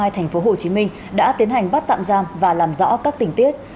tp hcm đã tiến hành bắt tạm giam và làm rõ các tình tiết